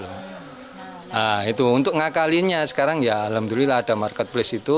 nah itu untuk ngakalinya sekarang ya alhamdulillah ada marketplace itu